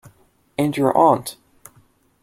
And your aunt.